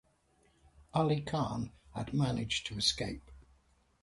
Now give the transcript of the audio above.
Ali Khan had managed to escape.